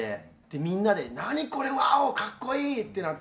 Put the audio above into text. でみんなで「何これワオ！かっこいい」ってなって。